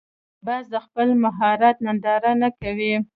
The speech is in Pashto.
باز د خپل مهارت ننداره نه کوي